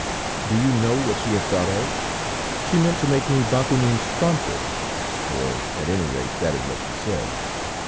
Do you know what she had thought of? She meant to make me Bakounine's prompter, or, at any rate, that is what she said.